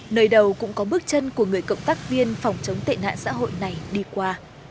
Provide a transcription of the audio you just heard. nơi đầu cũng có bước chân của người cộng tác viên phòng chống tệ nạn xã hội này đi qua